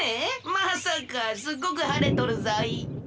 まさかすっごくはれとるぞい。